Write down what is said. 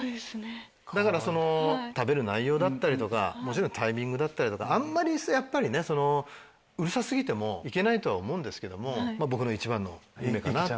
だからその食べる内容だったりとかもちろんタイミングだったりとかあんまりやっぱりねそのうるさ過ぎてもいけないとは思うんですけどもまぁ僕の一番の夢かなっていう。